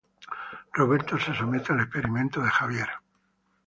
Roberto se somete al experimento de Javier.